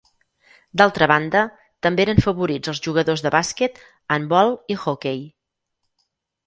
D'altra banda, també eren favorits els jugadors de bàsquet, handbol i hoquei.